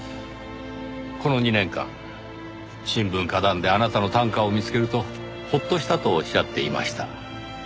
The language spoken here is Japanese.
この２年間新聞歌壇であなたの短歌を見つけるとほっとしたとおっしゃっていました。